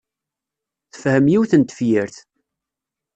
Tefhem yiwet n tefyirt.